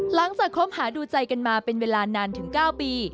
หลังจากค้มหาดูใจกันมาเป็นเวลานานถึง๙ปี